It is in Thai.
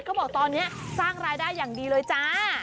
เขาบอกว่าตอนนี้สร้างรายได้อย่างดีเลยจ๊ะ